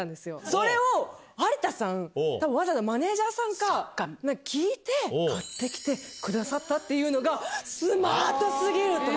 それを有田さん、たぶんわざわざマネージャーさんか誰かに聞いて、買ってきてくださったっていうのが、スマートすぎるって。